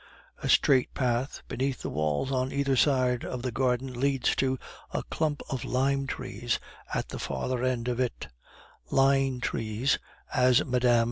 A straight path beneath the walls on either side of the garden leads to a clump of lime trees at the further end of it; line trees, as Mme.